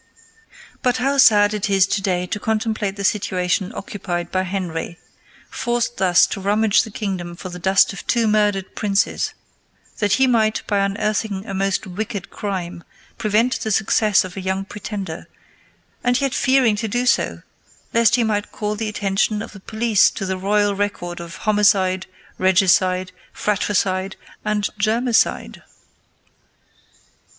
But how sad it is to day to contemplate the situation occupied by Henry, forced thus to rummage the kingdom for the dust of two murdered princes, that he might, by unearthing a most wicked crime, prevent the success of a young pretender, and yet fearing to do so lest he might call the attention of the police to the royal record of homicide, regicide, fratricide, and germicide!